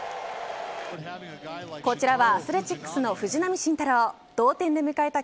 こちらはアスレチックスの藤浪晋太郎同点で迎えた